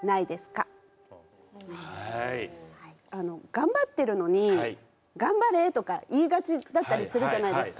頑張ってるのに「頑張れ」とか言いがちだったりするじゃないですか。